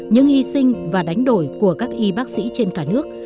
những hy sinh và đánh đổi của các y bác sĩ trên cả nước